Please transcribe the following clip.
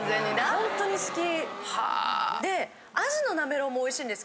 ホントに好き。